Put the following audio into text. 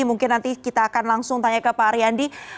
mungkin nanti kita akan langsung tanya ke pak ariandi